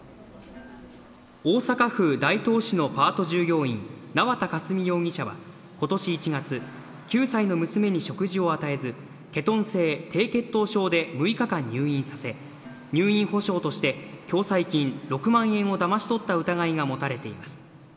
大阪府大東市のパート従業員、縄田佳純容疑者はことし１月、９歳の娘に食事を与えず、ケトン性低血糖症で入院させ、入院保障として共済金６万円をだまし取った疑いが持たれています。